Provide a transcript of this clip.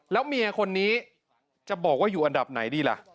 แล้วเมียคนนี้จะบอกว่าอยู่อันดับไหนดีล่ะ